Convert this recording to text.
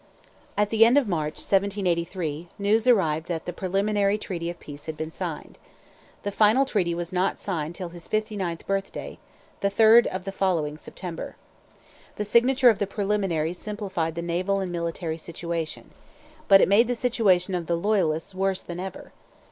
At the end of March 1783 news arrived that the preliminary treaty of peace had been signed. The final treaty was not signed till his fifty ninth birthday, the 3rd of the following September. The signature of the preliminaries simplified the naval and military situation. But it made the situation of the Loyalists worse than ever.